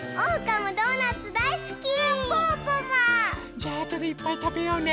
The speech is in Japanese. じゃあとでいっぱいたべようね。